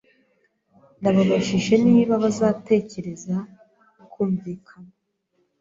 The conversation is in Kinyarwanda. Nababajije niba bazatekereza kumvikana.